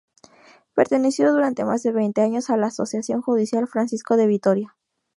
Perteneció durante más de veinte años a la asociación judicial, Francisco de Vitoria.